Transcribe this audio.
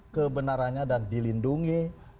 kebenarannya dan dilindungi